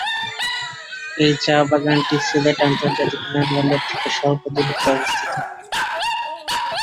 এই চা বাগানটি সিলেট আন্তর্জাতিক বিমানবন্দর থেকে স্বল্প দূরত্বে অবস্থিত।